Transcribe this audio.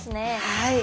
はい。